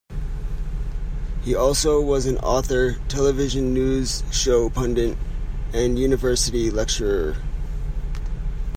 He also was an author, television news show pundit, and university lecturer.